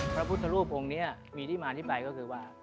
พระพุทธรูปองค์นี้มีที่มาที่ไปก็คือว่า